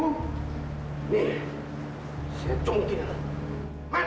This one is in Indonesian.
rumah saya tuh bukan di daerah sini